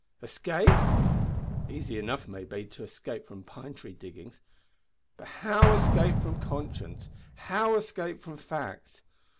Escape! Easy enough, maybe, to escape from Pine Tree Diggings; but how escape from conscience? how escape from facts?